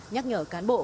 nhắc nhở cán bộ